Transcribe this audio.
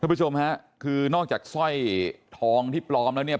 ผู้ชมฮะคือนอกจากสร้อยทองที่ปลอมแล้วเนี่ย